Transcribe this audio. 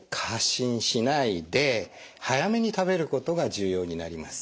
早めに食べることが重要になります。